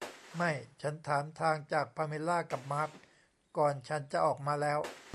ไม่ ฉันถามทางจากพาเมล่ากับมาร์ค ก่อนฉันจะออกมาแล้ว